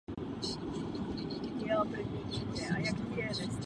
Nejsou to žádní obyčejní vězni.